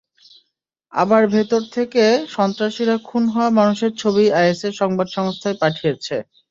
আবার ভেতর থেকে সন্ত্রাসীরা খুন হওয়া মানুষের ছবি আইএসের সংবাদ সংস্থায় পাঠিয়েছে।